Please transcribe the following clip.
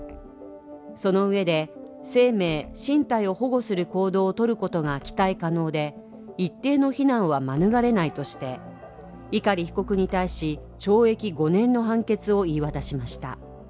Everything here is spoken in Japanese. そのうえで生命・身体を保護する行動をとることが期待可能で、一定の避難は免れないとして碇被告に対し、懲役５年の判決を言い渡しました。